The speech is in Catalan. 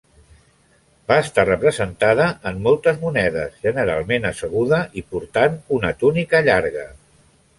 Va estar representada en moltes monedes, generalment asseguda i portant una túnica llarga.